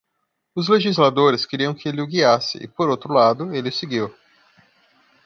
Os legisladores queriam que ele o guiasse e, por outro lado, ele o seguiu.